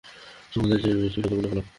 তোমাদের চেয়ে এই মেয়েটি শতগুণে ভাল।